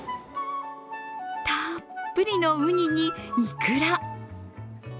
たっぷりのうにに、いくら。